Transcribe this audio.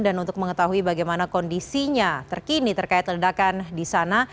dan untuk mengetahui bagaimana kondisinya terkini terkait ledakan di sana